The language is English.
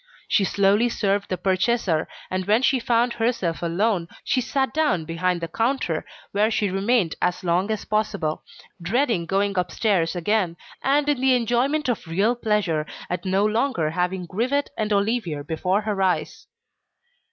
She slowly served the purchaser, and when she found herself alone, she sat down behind the counter where she remained as long as possible, dreading going upstairs again, and in the enjoyment of real pleasure at no longer having Grivet and Olivier before her eyes.